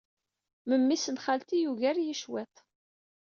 Memmi-s n xalti yugar-iyi cwiṭ.